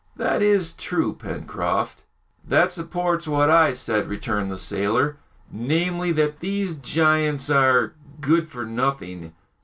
"That is true, Pencroft." "That supports what I said," returned the sailor, "namely, that these giants are good for nothing!"